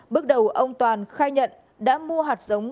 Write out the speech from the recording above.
bước đầu ông toàn khai nhận đã mua hạt giống